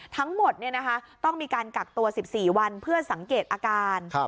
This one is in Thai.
ทั้งหมดเนี่ยนะคะต้องมีการกักตัวสิบสี่วันเพื่อสังเกตอาการ